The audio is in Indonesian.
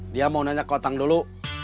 dia mau nanya ke otang dulu